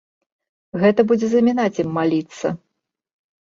Гэта будзе замінаць ім маліцца.